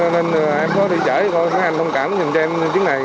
nên em có đi chở cho anh thông cảm dừng cho em chiếc này